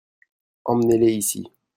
Emmenez-les ici.